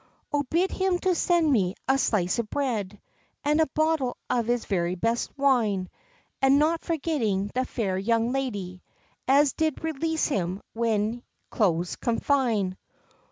"O bid him to send me a slice of bread, And a bottle of the very best wine, And not forgetting the fair young lady As did release him when close confine."